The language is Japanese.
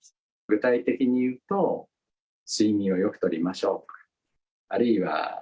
具体的に言うと、睡眠をよくとりましょう。